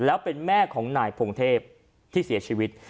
แล้วเป็นแม่ของนายพงเทพที่เสียชีวิต